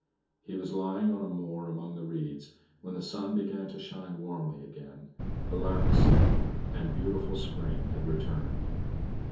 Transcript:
He was lying on a moor among the reeds, when the sun began to shine warmly again; the larks sang, and beautiful spring had returned.